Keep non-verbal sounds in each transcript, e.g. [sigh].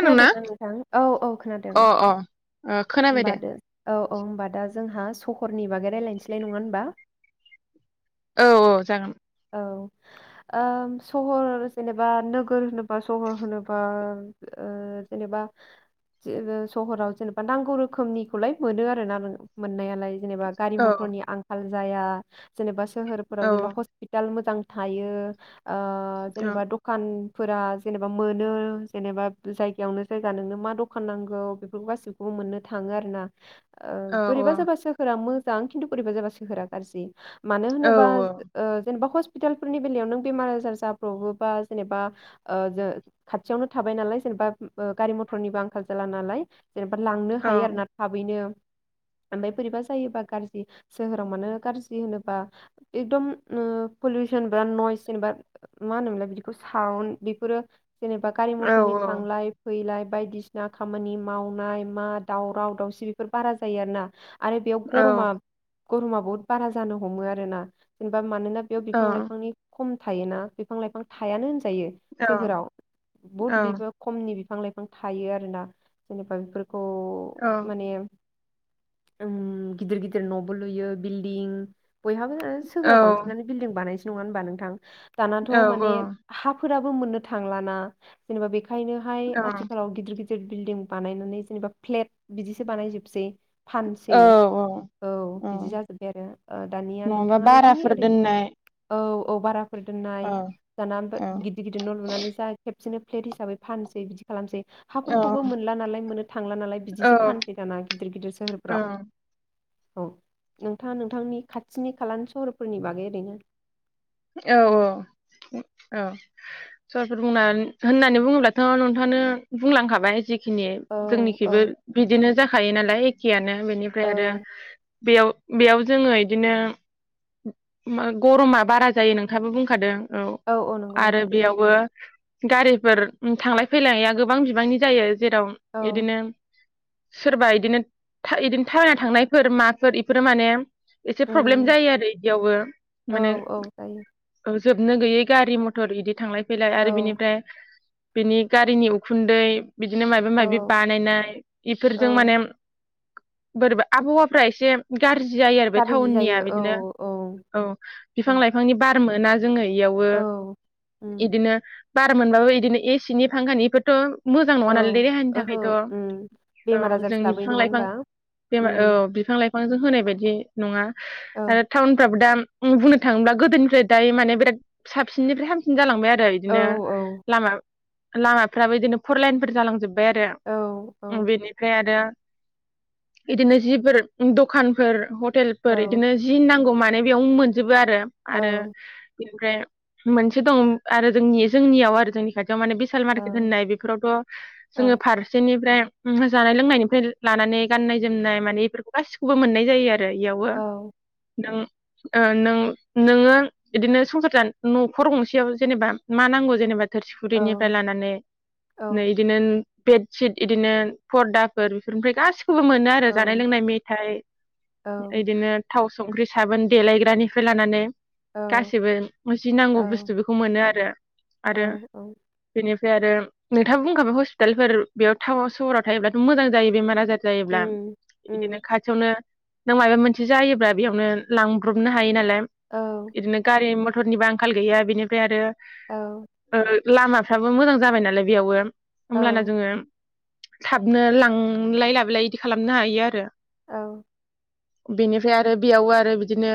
खोनादोंना नोंथां औ औ खोनादों अ अ ओ खोनाबाय दे होमबा दो औ औ होमबा दा जोंहा सहरनि बागै रायलायनोसैलाय नङा होनबा औ औ जागोन औ ओ सहर जेनेबा नोगोर होनोबा सहर होनोबा जेनेबा सह सहराव जेनेबा नांगौ रोखोमनिखौलाय मोनो आरो ना मोननायालाय जेनेबा गारि औ मथरनि आंखाल जाया जेनेबा सोहरफोराव जेनेबा औ खस्थ मोजां थायो ओ औ जेनेबा दखान फोरा जेनेबा मोनो जेनेबा जायगायावनो जायगा नोंनो मा दखान नांगौ बेफोर गासिखौबो मोननो थाङो आरो ना ओ औ बोरैबा जाबा सोहोरा मोज मोजां खिन्थु बोरैबा जाबा सोहोरा गाज्रि मानो औ होनोबा ओ जेनेबा हस्पितालफोरनि बेलायाव नों बेमार आजार जाब्रबबोबा जेनेबा ज खाथियावनो थाबाय नालाय जेनेबा गारि मथरनिबो आंखाल जाला नालाय जेनेबा लांनो औ हायो आरो ना थाबैनो ओमफाय बोरैबा जायोबा गाज्रि सोहोराव मानो गाज्रि होनोबा एकदम पलिउसन बा नयस जेनेबा मा होनोमोनलाय बिदिखौ साउन्द बेफोरो जेनेबा गारि औ मथरनि औ थांलाय फैलाय बायदिसिना खामानि मावनाय मा दावराव दावसि बेफोर बारा जायो आरो ना आरो बेयाव गरमा गरमा बहुत बारा जानो हमो आरो ना मानोना बेयाव बिफां लाइफांनि खम थायोना बिफां लाइफां थायानो होन जायो सोहोराव बहुत बिबो खमनि बिफां लाइफां थायो आरोना जेनेबा बेफोर औ माने गिदिर गिदिर न'बो लुयो बिल्डिं बयहाबो सोहोराव बांसिनानो बिल्दिं बानायजो नङा होनबा नोंथां दानथ' माने हाफ फोराबो मोननो थांला ना जेनेबा बे ओंखायनोहाय औ आथिखालाव गिदिर गिदिर बिल्दिं बानायनानै जेनेबा फ्लेट बिदिसो बानायजोबसै फानसै औ औ बिदि जाजोब्बाय आरो दानिया नोंथां नङाबा बाराफोर दोननाय अभार फोर औ दोननाय जाना औ गिदिर गिदिर न' लुनानै जा खेबसेनो प्लेट हिसाबै फानसै बिदि खालामसै औ हाफोरखौबो मोनला नालाय मोननो थांला नालाय औ बिदिसो फानसै दाना गिदिर गिदिर सोहोरफ्राव औ नोंथाङा नोंथांनि खाथिनि खालानि सहरफोरनि बागै ओरैनो औ औ बुं औ सोरफोर बुंना होननानै बुङोब्लाथ' नोंथाङानो बुंलांखाबाय जि खिनि औ औ जोंनिखिबो बिदिनो जा खायो नालाय एखेयानो बेनिफ्राय आरो औ बेयाव बेयाव जोङो इदिनो गरमा बारा जायो नोंथाङाबो बुंखादों औ औ नंगौ आरो नोंथां ओं बेयावबो गारिफोर थांलाय फैलाया ओ गोबां बिबांनि जायो जेराव औ बिदिनो सोरबा इदिनो इदिनो थाबायना थांनायफोर माफोर बेफोरो माने एसे प्रब्लेम उम जायो आरो इदियावबो औ माने औ जायो जोबनो गैयै गारि मटर इदि थांलाय फैलाय आरो औ बिनिफ्राय बिनि गारिनि उखुन्दै बिदिनो मायबा मायबि औ बानायनाय इफोरजों औ माने बोरैबा आबहावाफ्रा एसे गाज्रि जायो आरो बे गाज्रि टाउननिया जायो औ बिदिनो औ औ बिफां लाइ [unintelligible] मोना जोङो इयावबो औ उम इदिनो बार मोनबाबो इदिनो एसिनि फांखानिखोथ' मोजां नङा औ नालाय देहानि ओहो थाखायथ' औ उम बेमार आजारसो जोंनि लाबोयो बिफां नङा लाइफां होनबा बेमार उम औ बिफां लाइफांजों होनाय बायदि नङा औ आरो टाउनफ्राबो दा उम बुंनो थाङोब्ला गोदोनिफ्राय दायो माने बिराद साबसिननिफ्राय हामसिन जालांबाय आरो औ बिदिनो लामा लामाफ्राबो बिदिनो फर लाइनफोर जालांजोब बाय औ औ आरो बेनिफ्राय आरो इदिनो जिफोर दखानफोर ह औ टेलफोर इदिनो जि नांगौ मा बेयावनो मोनजोबो आरो औ आरो ओमफ्राय मोनसे दं आरो जोंनि जोंनियाव आरो जोंनि खा थियाव माने बिसाल औ मार्केट होननाय बेफोरावथ' औ जोङो फारसेनिफ्राय जानाय लोंनायनिफ्राय लानानै गाननाय जोमनाय माने बेफोरखौ गासिखौबो मोननाय जायो इयावबो औ नों ओ नों नोङो इदिनो संसार जान न'खर गंसेयाव जेनेबा मा नांगौ जेनेबा थोरसि औ खुरिनिफ्राय लानानै औ नै उम इदिनो बेडसिट बिदिनो फर्दाफोर बेफोरनिफ्राय गासि खौबो मोनो आरो जानाय लोंनाय मेथाइ उम औ इदिनो थाव संख्रि साबोन देलायग्रानिफ्राय लानानै औ गासिबो जि नांगौ बुस्थु बेखौ मोनो आरो औ औ फ्राय आरो नोंथाङा बुंखाबाय हस्पिटालफोर बेयाव टाउनाव सहराव थायोब्लाथ' मोजां जायो बेमार आजार जायोब्ला बिदिनो खाथियावनो नों माबा मोनसे जायोब्ला बेयावनो लांब्रबनो हायो नालाय बिदिनो गारि मथर मटरनिबो आंखाल गैया बेनिफ्राय आरो आ लामाफ्राबो मोजां जाबाय नालाय बेयावबो होमब्लाना जोङो थाबनो लांलाय लाबोलाय इदि खालामनो हायो आरो औ बेनिफ्राय आरो बेयावबो आरो बिदिनो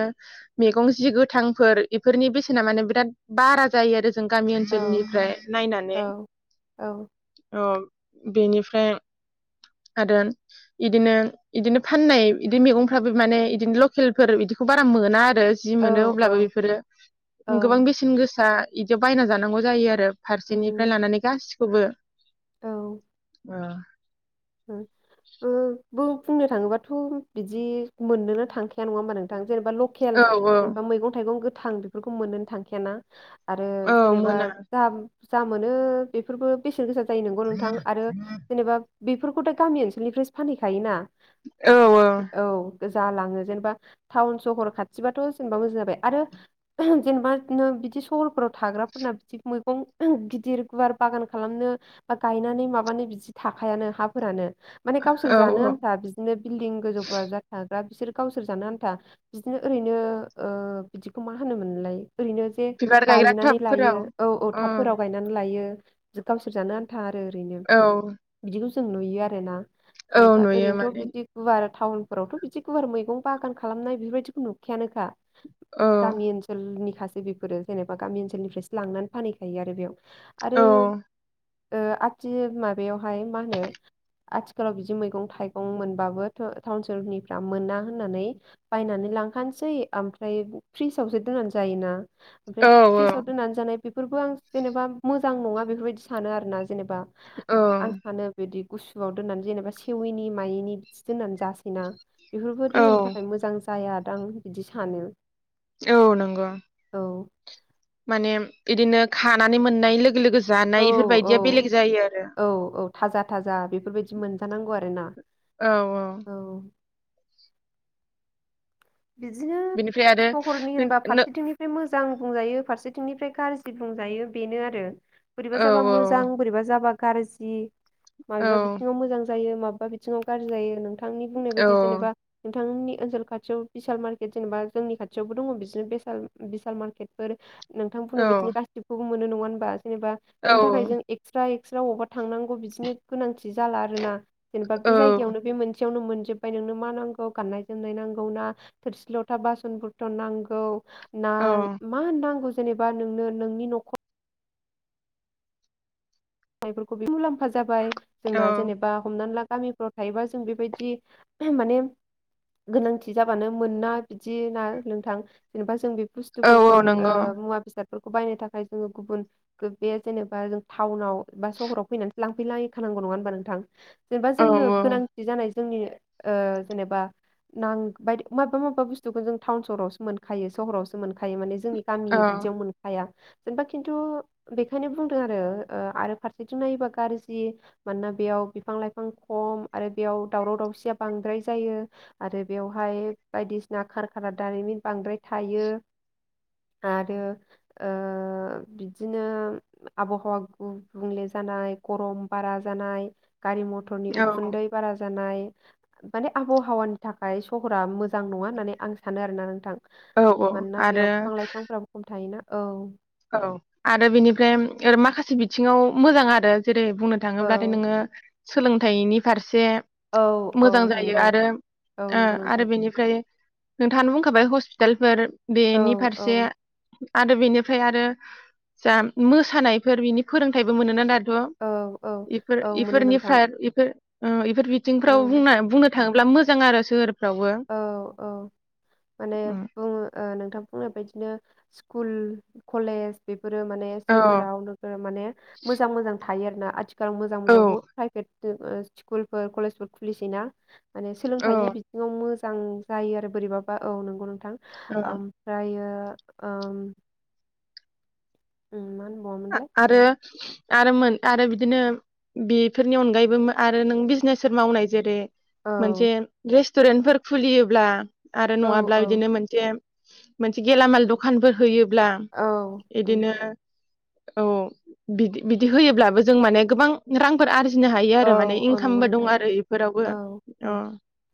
मैगं जि गोथांफोर बेफोरनि बेसेना माने बिराद बारा जायो आरो जों गामि ओनसोलनिफ्राय औ नायनानै बेनिफ्राय आरो बिदिनो बिदिनो फाननाय बिदि मैगंफ्राबो माने बिदिनो लकेलफोर बिदिखौ बारा मोना आरो जि मोनो अब्लाबो बेफोरो गोबां बेसेन गोसा बिदियाव बायना जानांगौ जायो आरो फारसेनिफ्राय लानानै गासिबो खौबो अ आ बो बुंनो थाङोबाथ' बिदि मोननोनो थांखाया नङा होमबा नोंथां जेनेबा लकेल औ मैगं थाइगं थां बेफोरखौ मोनो थांखायाना आरो औ जेनेबा मोना दाम बुरजा मोनो बेफोरबो बेसेन गोसा जायो नोंगौ नोंथां आरो जेनेबा बेफोरखौथ' गामि ओनसोलनिफ्रायो फानहैखायोना औ औ जालाङो जेनेबा टाउन सहर खाथिबाथ' जेनेबा मोजां जाबाय आरो जेनेबा बिदि सहरफोराव थाग्राफोरना बिदि मैगं गिदिर गुवार बागान खालामनो बा गायनानै माबानो बिदि था- आखायानो हाफोरानो माने गावसोर औ जानो औ आन्था बिदिनो बिल्दिं गोजौफ्राव जाथा बा बिसोर गावसोर जानो आन्था बिदिनो ओरैनो ओ बिदिखौ मा होनोमोनलाय ओरैनो जे बिबार गायग्रा गायनानै लायो टाबफोराव औ औ टाबफोराव गायनानै लायो गावसोर जानो थागारो ओरैनो औ जों नुयो आरो ना औ जेनेबा नुयो ओरैनोथ' माने बिदि गुवार टाउनफोरावथ' बिदि गुवार मैगं बागान खालामनाय बेफोरबायदिखौ नुखायानोखा औ गामि ओनसोलनि खासो बेफोरो जेनेबा गामि ओनसोलनिफ्रायसो लांनानै फानहैखायो आरो बेयाव आरो औ ओ आथि माबायाव ओमफाय मा होनो आथिखालाव बिदि मैगं थाइगं मोनबाबो टाउन सोहरनिफ्रा मोना होननानै बायनानै लांखानोसै ओमफ्राय फ्रिजावसो दोननानै जायोना औ ओमफ्राय फ्रिजाव दोननानै जानाय बेफोरबो आं जेनेबा मोजां नङा बेफोरबायदि सानो आरो ना जेनेबा औ आं सानो बिदि गुसुआव दोननानै जेनेबा सेवैनि मायैनि बिदि दोननानै जासैना बेफोरबो देहानि औ थाखाय मोजां जायादां बिदि सानो औ नंगौ औ माने इदिनो खानानै मोननाय लोगो लोगो औ जानाय औ इफोरबायदिया बेलेग जायो आरो औ औ थाजा थाजा बेफोरबायदि मोनजानांगौ आरो ना औ औ बिदिनो बेनिफ्राय आरो सहरनि होनबा नो फारसेथिंनिफ्राय मोजां मोजां बुंजायो फारसेथिंनिफ्राय गारजि बुंजायो बेनो आरो बोरैबा औ जाबा मोजां बोरैबा जाबा गारजि औ माबेबा बिथिङाव मोजां जायो मा मा बिथिंडाव गारजि जायो नोंथां नि बुंनाय औ बायदि जेनेबा बिथांनि ओनसोल खाथियाव बिसाल मार्केट जेनेबा जोंनि खाथियावबो दङ बिदिसनो बिसाल बिसाल मार्केटफोर नोंथां बुंनाय बायदिनो गासिखौबो मोनो नङा होनबा जेनेबा औ बिनि थाखाय जों एकस्रा नोंस्रा अबावबा थांनांगौ बिदिनो गोनांथि जाला आरो ना जेनेबा बे जायगायावनो बे मोनसे खाथियावनो मोनजोबबाय नोंनो मा नांगौ गाननाय जोमनाय नांगौ ना थोरसि लथा बासन बारथन नांगौ ना औ मा होनबाव नांगौ जेनेबा नोंनो नोंनि न'खर नांनायफोरखौ मुलाम्फा जाबाय औ जोंना जेनेबा हमनानै ला गामिफ्राव थायोबा जों बेबायदि माने गोनांथि जाबानो मोना बिदि ना नोंथां जेनेबा जों बे औ बुस्थुफोरखौ ओ नंगौ मुवा बेसाद फोरखौ बायनो थाखाय जोङो गुबुन बे जेनेबा जों टाउनाव बा सहराव फैनानैसो लांफै लायखानांगौ नङा होनबा नोंथां जेनेबा औ जोंनो गोनांथि जानाय जोंनि ओ जेनेबा नांबादि माबेबा माबेबा बुस्थुखौ जों टाउन सहरावसो मोनखायो सहरावसो मोनखायो खायो माने जोंनि गामि औ बिदियाव मोनखाया जेनेबा खिन्थु बेखायनो बुंदों आरो आरो फारसेथिं नायोबा गाज्रि मानोना बेयाव बिफां लाइफां खम आरो बेयाव दावराव दावसिया बांद्राय जायो आरो बेवहाय बायदिसिना खारखाना दारिमिन बांद्राय थायो आरो ओ बिदिनो आबहावा गुबुं गुबुंले जानाय गरम बारा जानाय गारि मथरनि औ उखुन्दै बारा जा जानाय माने आबहावानि थाखाय सहरा मोजां नङा होननानै आं सानो आरोना नोंथां औ औ मानोना बेयाव आरो बिफां लाइफांफोराबो खम थायोना औ औ आरो बेनिफ्राय माखासे बिथिङाव मोजां आरो जेरै बुंनो औ थाङोब्लाथाय नोङो सोलोंथाइनि फारसे एसे औ औ मोजां जायो नंगौ आरो औ ओ नंगौ आरो नोंथां बेनिफ्राय नोंथाङानो बुंखाबाय हस्पिटालफोर औ बेनि औ फारसे आरो बिनि ओमफ्राय आरो जा मोसानायफोर बिनि फोरोंथाइबो मोनोना औ औ इफोर औ मोनो नोंथां इफोरनिफ्राय इफोर बेफोर औ बिथिंफ्राव बुंनाय बुंनो थाङोब्ला मोजां आरो सोहोर औ औ माने उम बुङो ओ नोंथां बेफोर बदिनो स्कुल कलेज बे बेफोर माने औ सोहोराव नोगोर माने मोजां मोजां था हायो आरोना आथि मोजां औ मोजां बहुत प्राइभेट स्कुलफोर कलेजफोर खुलिसैना माने औ सोलोंथाइनि बिथिङाव मोजां मोजां जायो आरो बोरैबाबा औ नंगौ नोंथां ओ ओमफ्रायो आ उ मान आरो आरो मोन आरो बिदिनो बेफोरनि अनगायैबो आरो नों बिजनेसफोर मावनाय जेरै औ मोनसेे रेस्टुरेन्टफोर खुलियोब्ला आरो औ नङाब्ला औ बिदिनो मोनसे मोनसे गेलामाल दखानफोर होयो ब्ला औ उम, बिदिनो औ बिदि बिदि होयोब्लाबो जों माने गोबां रांफोर आरजिनो हायो औ आरो माने औ नंगौ इनकामबो दं नोंथां आरो इफोरावबो अ औ औ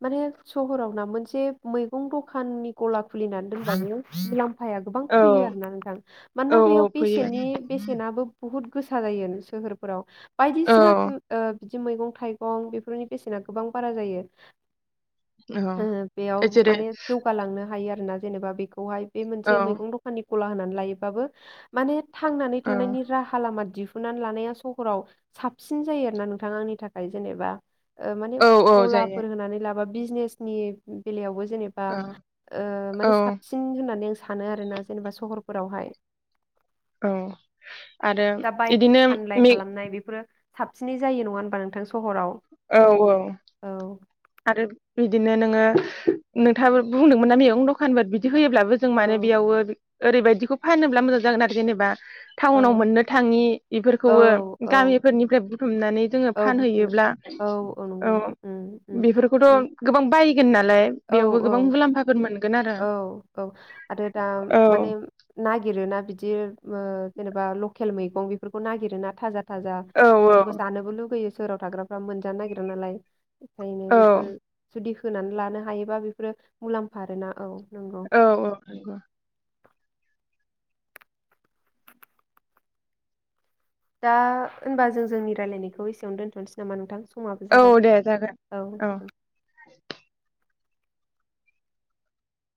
माने सहराव ना मोनसे मैगं दखा दखाननि गला खुलिनानै दानबाबो मु आफाया गोबां औ फैयो आरोना नोंथां मानोना औ बेयाव फैयो बेसेननि बेसेनाबो बुहुत गोसा जायो सोहोरफोराव औ बायदिसिना बिदि मैगं थाइगं बेफोरनि बेसेना गोबां बारा जायो जोङो औ बेयाव जेरै माने जौगालांनो हायो आरोना जेनेबा बेखौहाय बे औ मोनसे मैगं दखाननि गला होनानै लायोबाबो मा थांनानै औ थानायनि राहा लामा दि हुननानै लानाया सहराव साबसिन जायो आरो ना नोंथां आंनि थाखाय जेनेबा ओ माने औ औ जायो गलाफोर होनानै लाबा बिजनेसनि बेलायावबो जेनेबा औ ओ औ माने साबसिन होननानै सानो आरोना जेनेबा सहरफोरावहाय औ आरो इदिनो [inaudible] बिसिनि जायो नङा होनोमबा नोंथां सहरफोराव औ औ आरो बिदिनो नोङो नोंथाङाबो बुंदोंमोन ना मैगं दखान बि बिदि होयोब्लाबो जों माने औ बेयावबो ओरैबायदिखौ फानोब्ला मोजां जागोन आरो जेनेबा ओ टाउनाव औ मोननो थाङि बेफोरखौबो औ औ गामिफोरनिफ्राय बुथुमनानै जोङो औ बुथुम फानहैयोब्ला औ नंगौ औ नोंथां उम उम माने बेफोरखौथ' गोबां बायगोन नालाय औ बेयावबो गोबां मुलामफाफोर मोनगोन आरो औ औ आरो दा औ माने नागिरोना बिदि जेनेबा लकेल मैगं बेफोरखौ नागिर ना थाजा थाजा औ बेफोरखौ औ जानोबो लुबैयो सोराव थाग्राफ्रा मोनजानो नागिरा नालाय बेखायनो औ बेफोर जुदि होनानै लानो हायोबा बेफोरो मुलाम्फा आरोना औ नंगौ औ औ नंगौ दा होनबा जों जोंनि रायलायनायखौ एसेयावनो दोन्थ'नोसै नामा नोंथां समाबो औ जाबाय दे जागोन औ